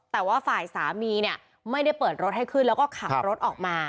แต่ว่าฝ่ายสามีเนี่ยไม่ได้เปิดรถให้ขึ้นแล้วก็ขับรถออกมา